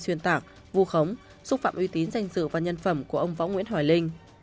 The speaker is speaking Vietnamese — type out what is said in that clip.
xuyên tạc vù khống xúc phạm uy tín giành dự và nhân phẩm của ông phó nguyễn hỏi linh